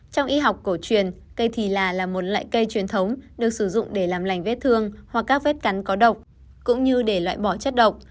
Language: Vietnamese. trong y học cổ truyền cây thì là một loại cây truyền thống được sử dụng để làm lành vết thương hoặc các vết cắn có độc cũng như để loại bỏ chất độc